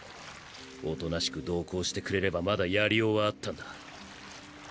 おとなしく同行してくれればまだやりようはあったんだ。